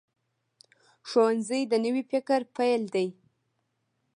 ښوونځی د نوي فکر پیل دی